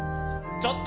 ちょっと！